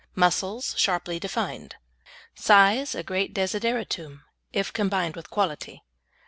Muscles sharply defined. Size a great desideratum, if combined with quality.